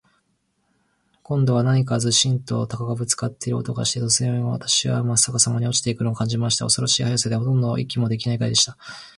今度は何かズシンと鷲にぶっつかる音がして、突然、私はまっ逆さまに落ちて行くのを感じました。恐ろしい速さで、ほとんど息もできないくらいでした。